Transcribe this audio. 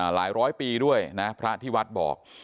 หลายร้อยปีด้วยนะครับพระที่วัดบอก